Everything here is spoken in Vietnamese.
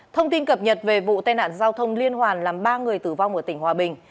thông tin cập nhật về vụ tai nạn giao thông liên hoàn làm ba người tử vong ở tỉnh hòa bình